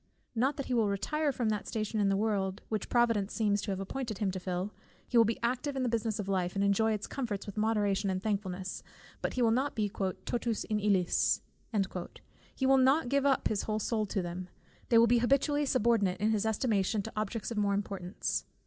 Not that he will retire from that station in the world which Providence seems to have appointed him to fill: he will be active in the business of life, and enjoy its comforts with moderation and thankfulness; but he will not be "totus in illis," he will not give up his whole soul to them, they will be habitually subordinate in his estimation to objects of more importance.